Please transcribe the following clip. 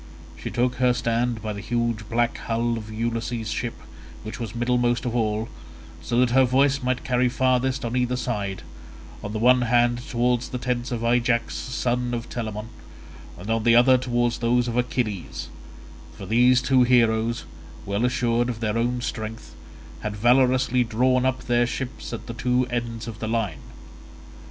She took her stand by the huge black hull of Ulysses' ship which was middlemost of all, so that her voice might carry farthest on either side, on the one hand towards the tents of Ajax son of Telamon, and on the other towards those of Achilles—for these two heroes, well assured of their own strength, had valorously drawn up their ships at the two ends of the line.